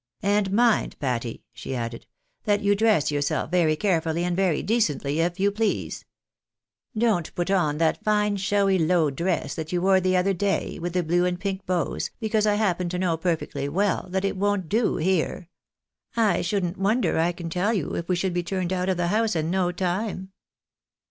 " And mind, Patty," she added, "that you dress yourself very carefully and very decently, if you please. Don't put on that fine showy low dress that you wore the other day, with the blue and pink bows, because I happen to know perfectly well that it won't do here. I shouldn't wonder, I can tell you, if we should be turned out of the house in no time."